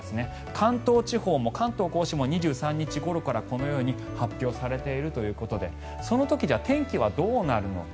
関東地方も、関東・甲信も２３日ごろからこのように発表されているということでその時では、天気はどうなるのか。